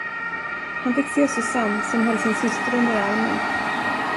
Han fick se Susanne, som höll sin syster under armen.